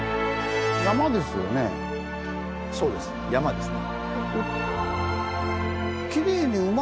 そうです山ですね。